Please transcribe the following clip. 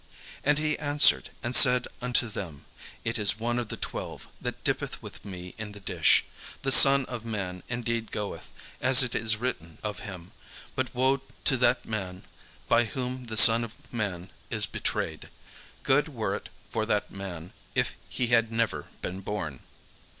And he answered and said unto them, "It is one of the twelve, that dippeth with me in the dish. The Son of man indeed goeth, as it is written of him; but woe to that man by whom the Son of man is betrayed! Good were it for that man if he had never been born."